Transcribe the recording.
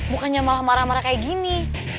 bukannya malah marah marah kayak gini